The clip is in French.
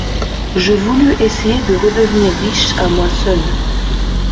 Je voulus essayer de redevenir riche à moi seule.